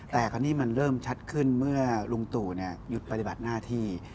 แต่คราวนี้มันเริ่มชัดขึ้นเมื่อลุงตู่หยุดปฏิบัติหน้าที่